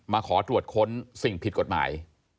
ขอตรวจค้นสิ่งผิดกฎหมาย